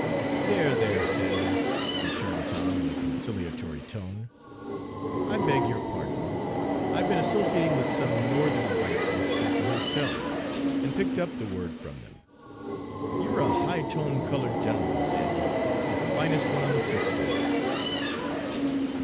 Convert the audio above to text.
"There, there, Sandy," returned Tom in a conciliatory tone, "I beg your pardon! I've been associating with some Northern white folks at the hotel, and picked up the word from them. You're a high toned colored gentleman, Sandy, the finest one on the footstool."